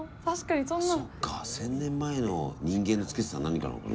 そっか１，０００年前の人間のつけてた何かなのかな。